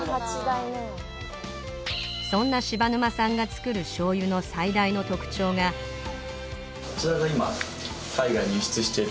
そんな柴沼さんが造る醤油の最大の特徴がこちらが。